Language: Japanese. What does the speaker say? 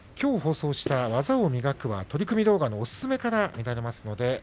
きょう放送した「技を磨く」は取組動画のおすすめからご覧いただけます。